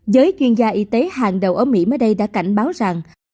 giới chuyên gia y tế hàng đầu ở mỹ mới đây đã cảnh báo rằng